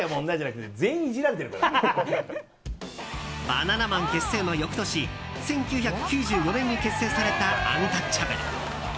バナナマン結成の翌年１９９４年に結成されたアンタッチャブル。